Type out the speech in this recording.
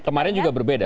kemarin juga berbeda